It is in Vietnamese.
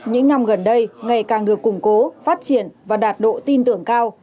những năm gần đây ngày càng được củng cố phát triển và đạt độ tin tưởng cao